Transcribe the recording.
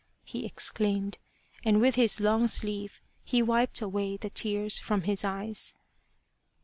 " he exclaimed, and with his long sleeve, he wiped away the tears from his eyes.